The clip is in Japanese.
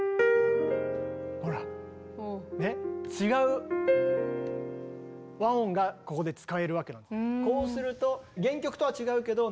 ほら違う和音がここで使えるわけなの。